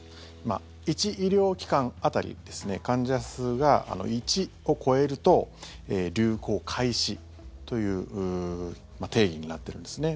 １医療機関当たり患者数が１を超えると流行開始という定義になってるんですね。